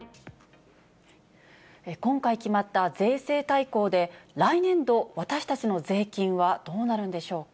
今回決まった税制大綱で、来年度、私たちの税金はどうなるんでしょうか。